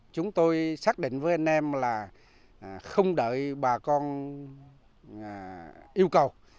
chúng tôi xác định với anh em là không đợi bà con yêu cầu